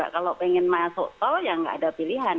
kalau ingin masuk tol ya tidak ada pilihan